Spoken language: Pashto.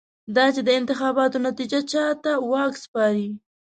دا چې د انتخاباتو نتېجه چا ته واک سپاري.